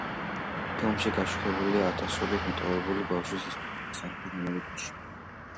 ფილმში გაშუქებულია ათასობით მიტოვებული ბავშვის ისტორია სამხრეთ ამერიკაში.